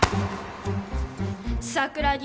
桜木！